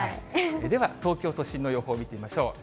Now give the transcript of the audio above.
では、東京都心の予報見てみましょう。